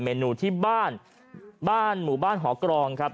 นูที่บ้านบ้านหมู่บ้านหอกรองครับ